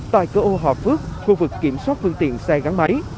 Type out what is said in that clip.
tại cửa ô hòa phước khu vực kiểm soát phương tiện xe gắn máy